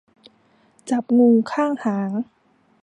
จับงูข้างหาง